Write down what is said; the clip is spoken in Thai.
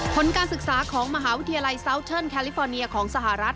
ผลการศึกษาของมหาวิทยาลัยซาวเชิลแคลิฟอร์เนียของสหรัฐ